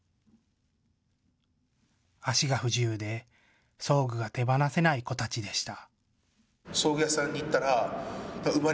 足が不自由で装具が手放せない子たちでした。